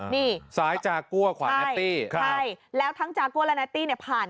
นี่ซ้ายจากัวขวาแนตตี้ใช่แล้วทั้งจากัวและแนตตี้เนี่ยผ่าน